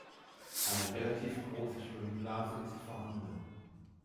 Eine relativ große Schwimmblase ist vorhanden.